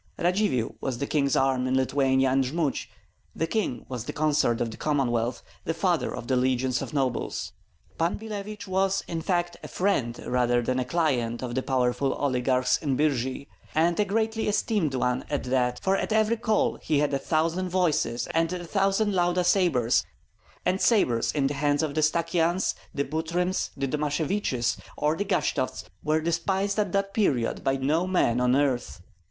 Radzivill was the king's arm in Lithuania and Jmud; the king was the consort of the Commonwealth, the father of the legion of nobles. Pan Billevich was, in fact, a friend rather than a client of the powerful oligarchs in Birji, and a greatly esteemed one at that; for at every call he had a thousand voices and a thousand Lauda sabres, and sabres in the hands of the Stakyans, the Butryms, the Domasheviches, or the Gashtovts were despised at that period by no man on earth.